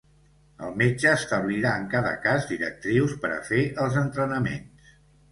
El metge establirà en cada cas directrius per a fer els entrenaments.